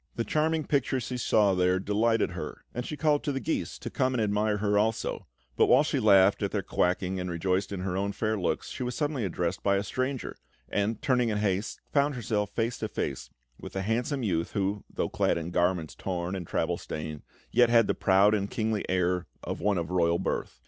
The charming picture she saw there delighted her, and she called to the geese to come and admire her also; but whilst she laughed at their quacking and rejoiced in her own fair looks, she was suddenly addressed by a stranger, and, turning in haste, found herself face to face with a handsome youth, who, though clad in garments torn and travel stained, yet had the proud and kingly air of one of royal birth.